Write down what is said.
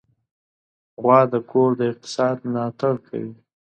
غوا د کور د اقتصاد ملاتړ کوي.